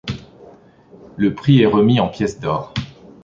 Le prix est remis en pièces d'or.